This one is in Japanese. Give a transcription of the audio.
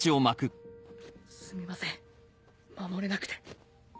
すみません守れなくて。